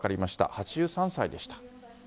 ８３歳でした。